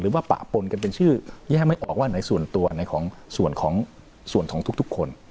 ว่าปะปนกันเป็นชื่อแยกไม่ออกว่าไหนส่วนตัวไหนของส่วนของส่วนของทุกคน